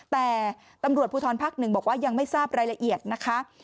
แต่ตำรวจภูทรภักดิ์๑บอกว่ายังไม่ทราบรายละเอียดนะคะ